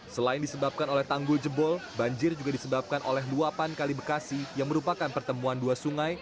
selain disebabkan oleh tanggul jebol banjir juga disebabkan oleh luapan kali bekasi yang merupakan pertemuan dua sungai